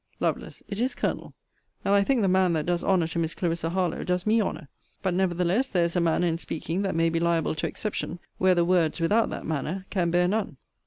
Lovel. It is, Colonel. And I think, the man that does honour to Miss Clarissa Harlowe, does me honour. But, nevertheless, there is a manner in speaking, that may be liable to exception, where the words, without that manner, can bear none.